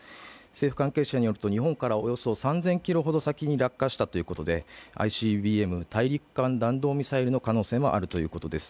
政府関係者によると、日本からおよそ３０００ｋｍほど先に落下したということで、ＩＣＢＭ＝大陸間弾道ミサイルの可能性もあるということです。